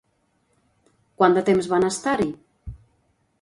Quant de temps van estar-hi?